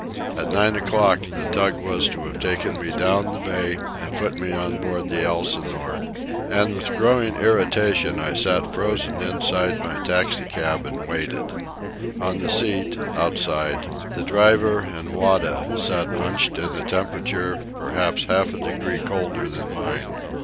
At nine o'clock the tug was to have taken me down the bay and put me on board the Elsinore, and with growing irritation I sat frozen inside my taxicab and waited. On the seat, outside, the driver and Wada sat hunched in a temperature perhaps half a degree colder than mine.